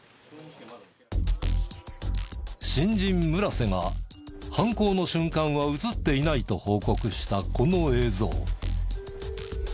新人村瀬が犯行の瞬間は映っていないと報告したこの映像。